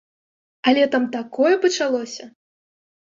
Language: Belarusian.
Але там такое пачалося!